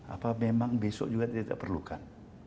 apa memang besok juga tidak perlukan